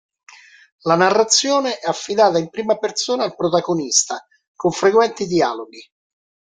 La narrazione è affidata in prima persona al protagonista con frequenti dialoghi.